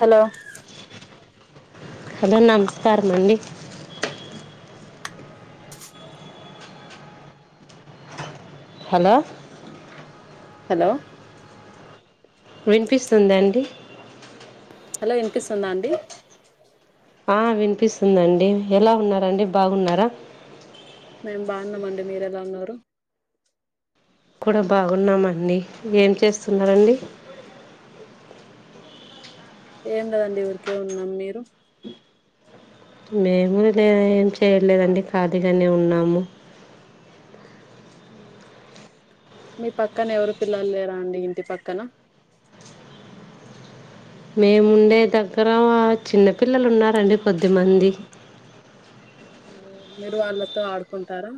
Hello hello నమస్కారమండి hello hello వినిపిస్తుంద అండి హలో వినిపిస్తుందా అండి ఆ వినిపిస్తుందండి ఎలా ఉన్నారండి బాగున్నారా మేం బాగున్నామమండి మీరెలా ఉన్నారు కూడా బాగున్నామండి ఏం చేస్తున్నరండి ఏం లేదండి ఊరికే ఉన్నాం మీరు మేము లేద ఏం చేయలేదండి ఖాలీగానే ఉన్నాము మీ పక్కన ఎవరు పిల్లలు లేరా అండి ఇంటి పక్కన మేముండే దగ్గర చిన్నపిల్లలు ఉన్నారండి కొద్దిమంది మీరు వాళ్ళతో ఆడుకుంటారా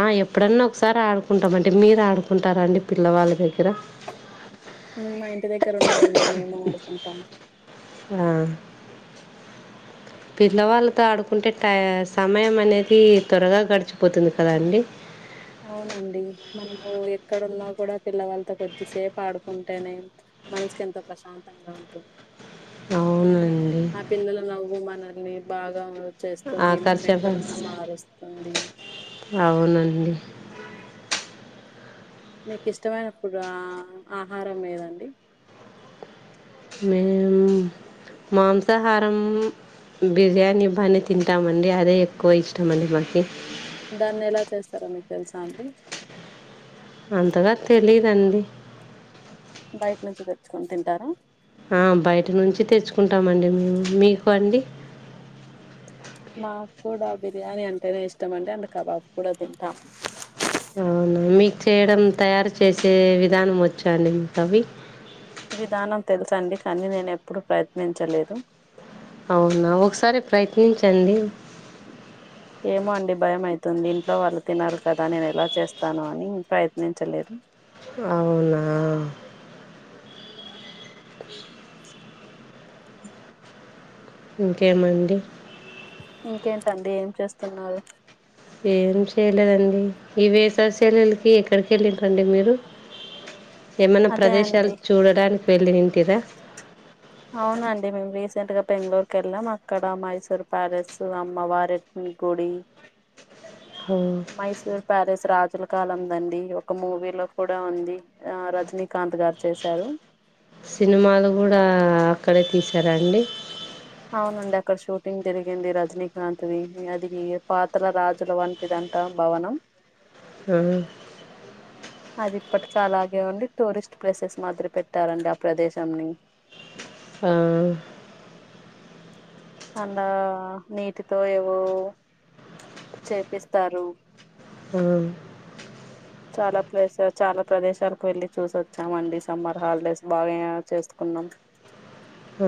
ఆ ఎప్పుడన్నా ఒకసారి ఆడుకుంటాం అంటే మీరు ఆడుకుంటారండి పిల్లవాళ్ళ దగ్గర హ్మ్ మా ఇంటి దగ్గర ఉన్నారండి మేము అడుకుంటాం ఆ పిల్లవాళ్ళతో ఆడుకుంటే టై సమయం అనేది త్వరగా గడిచిపోతుంది కదా అండి అవునండి మనము ఎక్కడున్నా కూడా పిల్లవాలతో కొద్దిసేపు ఆడుకుంటేనే మనసుకి ఎంతో ప్రశాంతంగా ఉంటుంది అవునండి ఆ పిల్లల నవ్వు మనల్ని బాగా చేస్తుంది మనం ఆకర్షక ఎక్కడున్నా మారుస్తుంది అవునండి మీకు ఇష్టమైన ఫుడ్ ఆ ఆహారం ఏదండి మేము మాంసాహారం బిర్యానీ బానే తింటామండి అదే ఎక్కువ ఇష్టంమండి మనకి దాన్ని ఎలా చేస్తారో మీకు తెలుసా అండి అంతగా తెలీదండి బయట నుంచి తెచ్చుకొని తింటారా ఆ బయట నుంచి తెచ్చుకుంటామండి మేము మీకు అండి మాకు కూడ బిర్యానీ అంటేనే ఇష్టం అండి అంటె కబాబ్ కూడ తింటాము అవునా మీకు చేయడం తయారు చేసే విధానం ఒచ్చ అండి మీకవి విధానం తెలుసండి కనీ నేనేప్పుడు ప్రయత్నించలేదు అవునా ఒకసారి ప్రయత్నించండి ఏమో అండి భయం అయితుంది ఇంట్లో వాళ్ళు తినరు కదా నేను ఎలా చేస్తానో అని ప్రయత్నించలేదు అవునా ఇంకేమండీ ఇంకేంటండి ఏం చేస్తున్నారు ఏం చేయలేదండి ఈ వేసవిసేలవులకి ఎక్కడికి ఎళ్ళిరండి మీరు ఏమన్న అదే ప్రదేశాలు అండి చూడడానికి వెళ్ళి ఇంటిర అవునండి మేము రీసెంట్ గా బెంగళూరుకి ఎళ్ళాం అక్కడ మైసూర్ ప్యాలెస్ అమ్మవారి గుడి ఊ మైసూర్ ప్యాలెస్ రాజుల కాలందండి ఒక మూవీలో కూడా ఉంది ఆ రజనీకాంత్ గారు చేశారు సినిమాలు కూడా అక్కడే తీసారండి అవునండి అక్కడ షూటింగ్ జరిగింది రజనీకాంత్ ది ఇగ అది పాతల రాజుల వంటి టిదంటా భవనము ఆ అది ఇప్పటికలాగే ఉండి టూరిస్ట్ ప్లేసెస్ మాత్ర పెట్టారండి ఆ ప్రదేశం ని ఆ అందా నీటితో ఏవో చేపిస్తారు ఆ చాలా ప్లేస్ చాలా ప్రదేశాలకు వెళ్లి చూసచ్చాం అండి సమ్మర్ హాలిడేస్ బాగా ఆ చేసుకున్నాం ఆ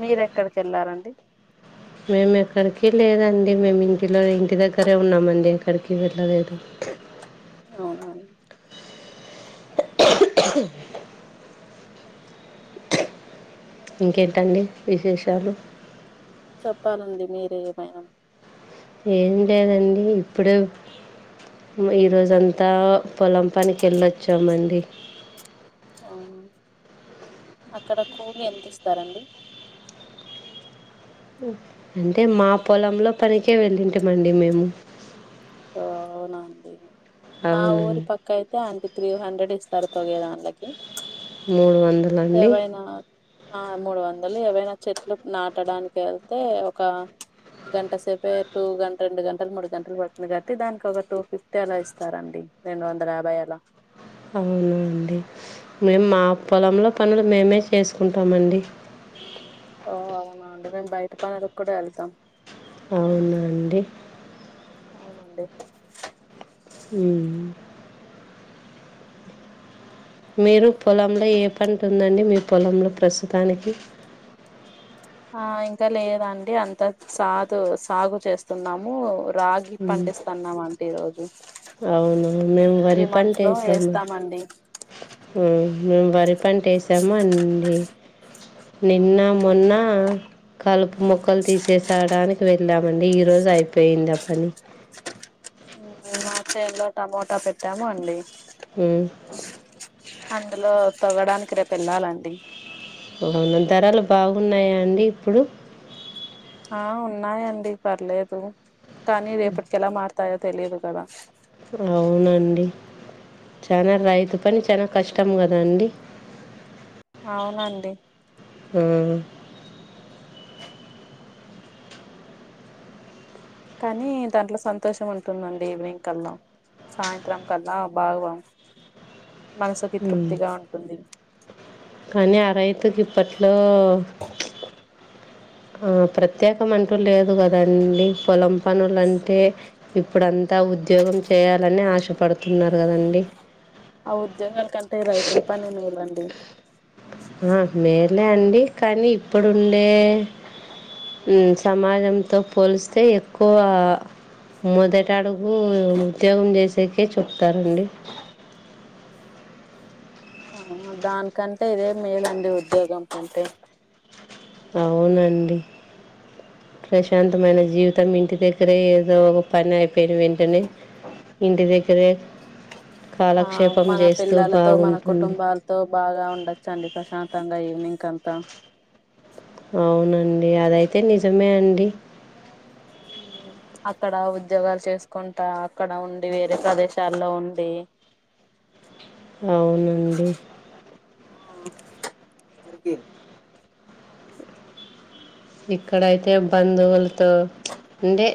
మీరెక్కడికి ఎళ్లారండి మేము ఎక్కడికి లేదండి మేము ఇంటిలో ఇంటి దగ్గరే ఉన్నామండి ఎక్కడికి వెళ్ళలేదు అవున ఇంకేంటండి విశేషాలు చెప్పాలండి మీరే ఏమైన ఏం లేదండి ఇప్పుడు ఈరోజంతా పొలంపనికేళ్ళొచ్చామండి ఆ అక్కడ కూలి ఎంతిస్తారండి అంటే మా పొలంలో పనినికె వెళ్ళింటిమండి మేము ఆ అవునా అండి మా ఊరి అవునండి పక్ కయితే అంతే త్రీ హండ్రెడ్ ఇస్తారు తొగే దాంలకి మూడు వందలండి ఎవైనా ఆ మూడు వందలు ఎవైనా చెట్లు నాటడానికి ఎళ్తే ఒక గంట సేపపే టూ గంట రెండు గంటలు మూడు గంటలు పడు ఎందుకట్టి దానికి ఒక టూ ఫిఫ్టీ అలా ఇస్తారండి రెండు వందల యాభై అలా అవునా అండి మేము మా పొలంలో పనులు మేమే చేసుకుంటామండి ఓ అవునా అండి మేము బయటి పనులకుడా ఎళ్తాం అవున అండి అవునండీ ఉమ్ మీరు పొలంలో ఏ పంటుదండి మీ పొలంలో ప్రస్తుతానికి ఆ ఇంకా లేదండి అంత సాదు సాగు చేస్తున్నాము రాగి పండిస్తాన్నామండి ఈరోజు అవును మేము ఈ వరి మంత్ లో పంటెసాము వేస్తామండి ఉమ్ మేము వరి పంట వేసామండి నిన్న మొన్న కలుపు మొక్కలు తీసేసడానికి వెళ్ళామండి ఈ రోజు అయిపోయిందాపని మా చెన్లో టమోటా పెట్టాము అండి ఉమ్ అందులో తొవ్వడానికి రేపేళ్ళాలండి ఓ అవును ధరలు బాగున్నాయండి ఇప్పుడు ఆ ఉన్నాయండి పర్లేదు కానీ రేపటికేలా మారుతాయో తెలియదు కదా అవునండి చనా రైతు పని చానా కష్టం కదాండి అవునండి ఆ కానీ దాంట్లో సంతోషం ఉంటుందండి ఈవినింగ్ కల్ల సాయంత్రం కల్లా ఆ భావ మనసుకి ఉమ్. తృప్తిగా ఉంటుంది కానీ ఆ రైతుకి ఇప్పట్లో ఆ ప్రత్యేకమంటూ లేదుకదండి పొలం పనులు అంటే ఇప్పుడంతా ఉద్యోగం చేయాలని ఆశపడుతున్నరు కదండి ఆ ఉద్యోగం కంటే రైతులు పన్నెండువేలండి ఆ మేలే అండి కానీ ఇప్పుడుండే ఉమ్ సమాజంతో పోలిస్తే ఎక్కువ మొదటడుగు ఉద్యోగం చేసేకే చెప్తారండి ఆమ్మ దానికంటే ఇదే మెలండి ఉద్యోగం కంటే అవునండి ప్రశాంతమైన జీవితం ఇంటి దగ్గరే ఏదో ఒక పనయిపోయిన వెంటనే ఇంటి దగ్గరే ఆ కాలక్షేపం చేస్తూ బాగుంటుంది తో బాగా ఉండొచ్చండి ప్రశాంతంగా ఈవినింగ్ కంతా అవునండి అదైతే నిజమే అండి హ్మ్ అక్కడ ఉద్యోగాలు చేసుకుంటా అక్కడ ఉండి వేరే ప్రదేశాల్లో ఉండి అవునండి ఆ ఇక్కడైతే బంధువులతో ఉండే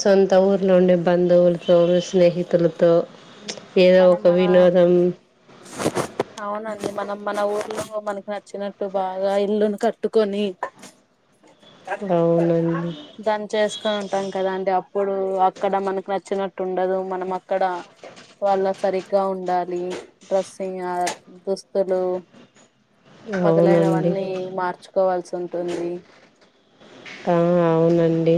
సొంత ఊర్లో ఉండే బంధువులతో స్నేహితులతో ఏదో మనం ఒక మన వినోదం అవునండి మనం మన ఊర్లో మనకి నచ్చినట్టు బాగా ఇల్లును కట్టుకొని అవునండి దాన్ని చేసుకొని ఉంటాం కదా అండి అప్పుడు అక్కడ మనకు నచ్చినట్టు ఉండదు మనం అక్కడ వాళ్ళ సరిగ్గా ఉండాలి డ్రెస్సింగా దుస్తులు అవునండి మొదలైనవన్నీ మార్చుకోవాల్సి ఉంటుంది అవును అవునండి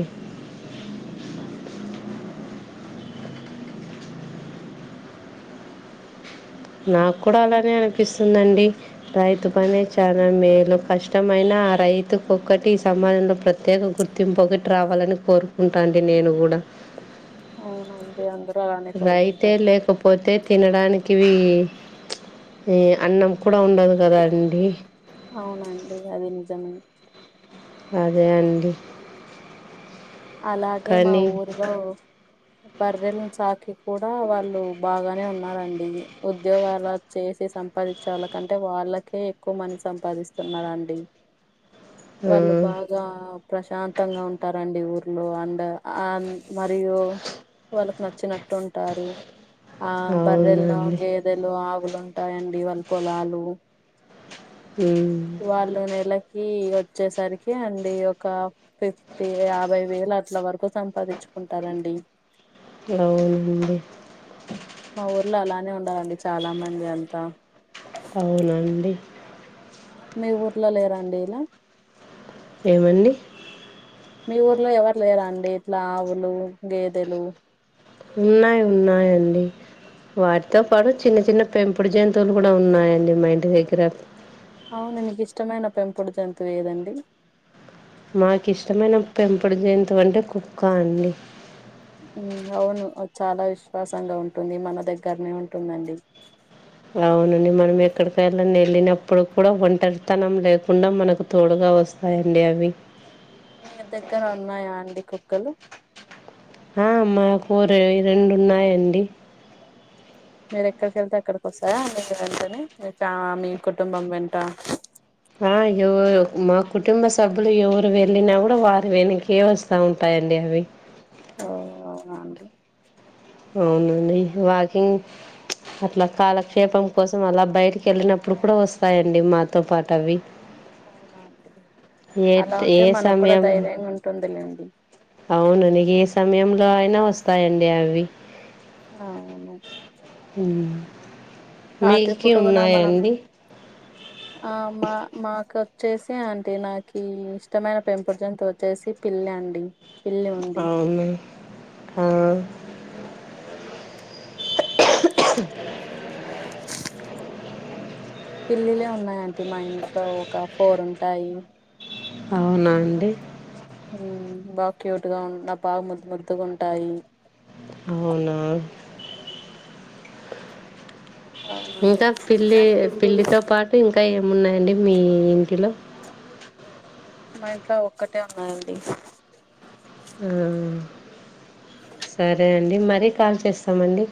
నాకు కూడా అలానే అనిపిస్తుందండి రైతు పనే చాలా మేలు కష్టమైన ఆ రైతుకు ఒక్కటి సమాజంలో ప్ర త్యేక గుర్తింపు ఒకటి రావాలని కోరుకుంటా అండి నేను కూడా అవునండి అందరూ అలానే కోరుకుంటారు పోతే తినడానికి అన్నం కూడా ఉండదు కదా అండి అవునండి అది నిజమే అదే అండి అలాగే మా కానీ ఊరిలో బర్రెలను సాకి కూడా వాళ్ళు బాగానే ఉన్నారండి ఉద్యోగాల చేసి సంపాదించే వాళ్ళకంటే వాళ్ళకే ఎక్కువ మని సంపాదిస్తున్నారండి ఆ, వాళ్ళు బాగా ప్రశాంతంగా ఉంటారండి ఊర్లో అండ్ అ మరియు వాళ్ళకు నచ్చినట్టు ఉంటారు ఆ బర్రెల్లో అవునండి గేదెలు ఆవులు ఉంటాయండి వాళ్ళ పొలాలు హ్మ్ ఒక నెలకి వచ్చేసరికి అండి ఒక ఫిఫ్టీ యాభై వేలు అట్ల వరకు సంపాదించుకుంటారండి అవునండి మా ఊర్లో అలానే ఉండాలండి చాలా మంది అంతా అవునండి మీ ఊర్లో లేరండి ఇలా ఏమండి మీ ఊర్లో ఎవరు లేరా అండి ఇట్లా ఆవులు గేదెలు ఉన్నాయి ఉన్నాయిండి వాటితో పాటు చిన్న చిన్న పెంపుడు జంతువులు కూడా ఉన్నాయండి మా ఇంటి దగ్గర అవును మీకు ఇష్టమైన పెంపుడు జంతువు ఏదండి మాకి ఇష్టమైన పెంపుడు జంతువు అంటే కుక్కా అండి అవును అది చాలా విశ్వాసంగా ఉంటుంది మన దగ్గరనే ఉంటుందండి అవునండి మనం ఎక్కడికైనా వెళ్ళినప్పుడు కూడా ఒంటరితనం లేకుండా మనకు తోడుగా వస్ హాయ్ అండి అవి మీ దగ్గర ఉన్నాయా అండి కుక్కలు ఆ మా ఫోరు రెండు ఉన్నాయండి మీరు ఎక్కడికెళ్తే అక్కడికి వస్తదా వెంటనే మీ చ మీ కుటుంబం వెంట ఆ ఎవరు మా కుటుంబ సభ్యులు ఎవరు వెళ్ళినా కూడా వారి వెనకే వస్తా ఉంటాయండి అవి మరి ఓ అండి అవునండి వాకింగ్ అట్లా కాలక్షేపం కోసం అలా బయటికి వళ్ళినప్పుడు కూడా వస్తాయండి మాతో పాటు అవి ఏ అలా ఏ ఉంటే మనకు కూడా సమయం ధైర్యంగా ఉంటుందిలేండి అవును నీక్ ఏ సమయంలో అయినా వస్తాయండి అవి అవును ఊ రాత్రి మీకు పూట కూడా మనం ఉన్నాయండి ఆ మా మాకొచ్చేసి అంటే నాకి ఇష్టమైన పెంపుడు జంతు వచ్చేసి పిళ్ళి అండి పిల్లి ఉంది అవునా ఆ పిల్లిలే ఉన్నాయ్ ఆంటీ మా ఇంట్లో ఒక ఫోర్ ఉంటాయి అవునా అండి ఊ బాగా క్యూట్ గా నాక్ బాగా ముద్ ముద్దుగా ఉంటాయి అవునా అవునండి ఇంకా పిల్లి పిల్లితో పాటు ఇంకా ఏమున్నాయండి మీ ఇంటిలో మా ఇంట్లో ఒక్కటే ఉన్నాయండి ఊ సరే అండి మరీ కాల్ చేస్తామండి